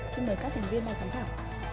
xin mời các thành viên mà giám khảo